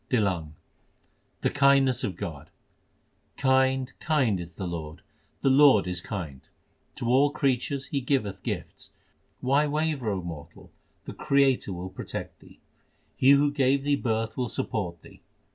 TlLANG l The kindness of God : Kind, kind is the Lord ; My Lord is kind : To all creatures He giveth gifts. Why waver, O mortal ? the Creator will protect thee. He who gave thee birth will support thee.